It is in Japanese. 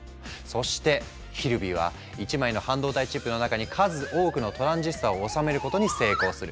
そしてキルビーは１枚の半導体チップの中に数多くのトランジスタをおさめることに成功する。